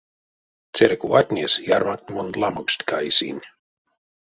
Церьковатнес ярмакт мон ламоксть кайсинь.